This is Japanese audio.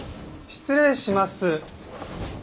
失礼します。